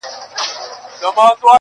له بېلتونه پنا وړي د جانان غېږ ته -